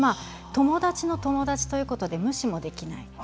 友達の友達ということで無視もできない。